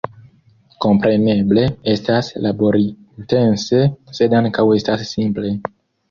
Kompreneble estas laborintense, sed ankaŭ estas simple.